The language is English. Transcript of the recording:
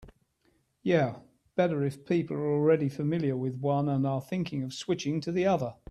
Yeah, better if people are already familiar with one and are thinking of switching to the other.